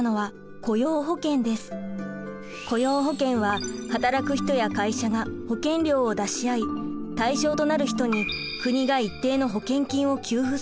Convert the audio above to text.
雇用保険は働く人や会社が保険料を出し合い対象となる人に国が一定の保険金を給付する仕組みです。